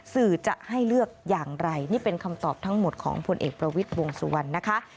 สื่อจะให้เลือกอย่างไรนี่เป็นคำตอบทั้งหมดของพลเอกประวิทย์วงสุวรรณนะคะ